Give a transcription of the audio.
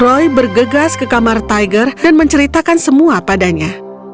roy bergegas ke kamar tiger dan menceritakan semua padanya